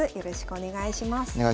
お願いします。